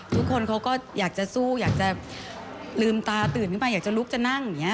ทุกคนเขาก็อยากจะสู้อยากจะลืมตาตื่นขึ้นไปอยากจะลุกจะนั่งอย่างนี้